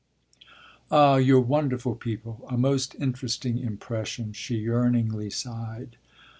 "Ah you're wonderful people a most interesting impression!" she yearningly sighed.